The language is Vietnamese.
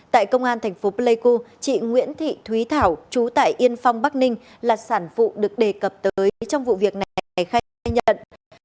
tại công an thành phố pleiku chị nguyễn thị thúy thảo chú tại yên phong bắc ninh là sản phụ được đề cập tới trong vụ việc này khay khai nhận